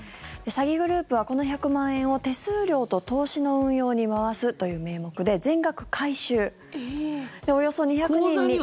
詐欺グループはこの１００万円を手数料と投資の運用に回すという名目で全額回収。